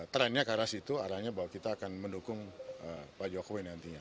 trendnya ke arah situ arahnya bahwa kita akan mendukung pak jokowi nantinya